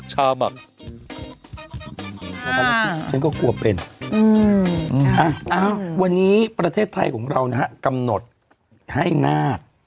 ฉันก็กลัวเป็นวันนี้ประเทศไทยของเรานะฮะกำหนดให้นาค